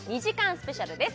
スペシャルです